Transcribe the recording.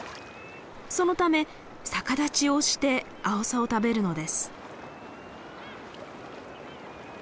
そのため逆立ちをしてアオサを食べるのです。